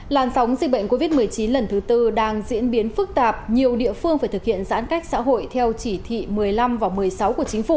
làn sóng dịch bệnh covid một mươi chín lần thứ tư đang diễn biến phức tạp nhiều địa phương phải thực hiện giãn cách xã hội theo chỉ thị một mươi năm và một mươi sáu của chính phủ